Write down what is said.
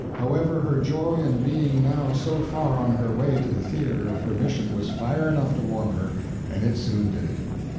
However, her joy in being now so far on her way to the theater of her mission was fire enough to warm her, and it soon did it.